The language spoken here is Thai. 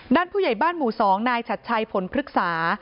ผู้ใหญ่บ้านหมู่๒นายชัดชัยผลพฤกษา